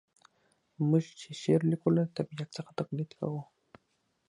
موږ چي شعر لیکو له طبیعت څخه تقلید کوو.